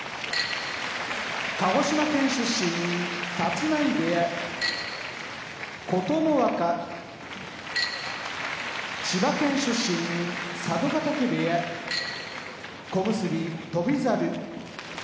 鹿児島県出身立浪部屋琴ノ若千葉県出身佐渡ヶ嶽部屋小結・翔猿